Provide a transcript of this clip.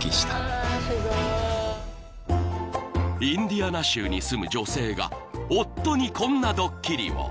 ［インディアナ州に住む女性が夫にこんなドッキリを］